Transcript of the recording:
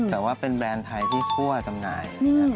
แต่ว่าเป็นแบรนด์ไทยที่ทั่วจำหน่าย